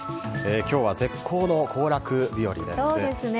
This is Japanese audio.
今日は絶好の行楽日和ですね。